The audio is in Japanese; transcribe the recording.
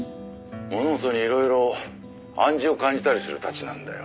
「物事にいろいろ暗示を感じたりする質なんだよ」